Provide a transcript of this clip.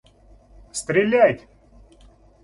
Стреляйте!